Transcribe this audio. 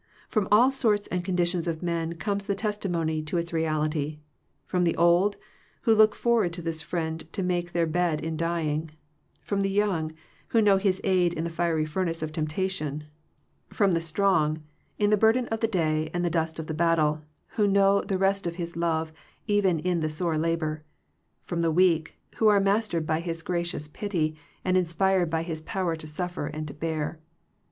From all sorts and conditions of men comes the testimony to its reality — from the old, who look forward to this Friend to make their bed in dying; from the young, who know His aid in the fiery furnace of temptation; from the strong, ^33 Digitized by VjOOQIC THE HIGHER FRIENDSHIP in the burden of the day and the dust of the battle, who know the rest of His love even in the sore labor ; from the weak, who are mastered by His gracious pity, and inspired by His power to suffer and to bear.